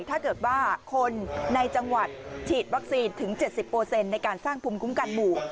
ถ้าเกิดว่าคนในจังหวัดฉีดวัคซีนถึง๗๐ในการสร้างภูมิคุ้มกันหมู่